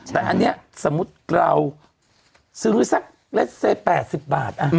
แต่อันนี้สมมุติเราซื้อสักเล็ดเซ๘๐บาท